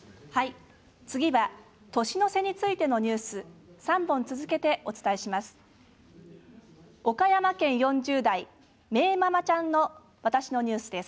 年の瀬についてのニュース３本続けてお伝えします。